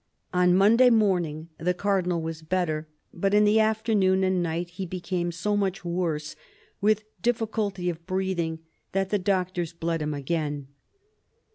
On Monday morning the Cardinal was better; but in the afternoon and night he became so much worse, with difficulty of breathing, that the doctors bled him again.